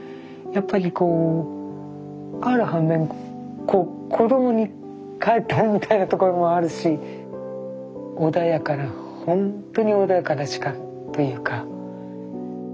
やっぱりある反面子供に帰ったみたいなところもあるし穏やかなほんとに穏やかな時間というか。